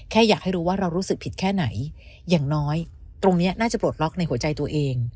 อยากให้รู้ว่าเรารู้สึกผิดแค่ไหนอย่างน้อยตรงนี้น่าจะปลดล็อกในหัวใจตัวเอง